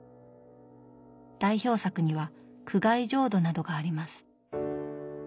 代表作には「苦海浄土」などがあります。